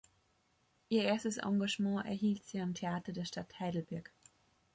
Ihr erstes Engagement erhielt sie am Theater der Stadt Heidelberg.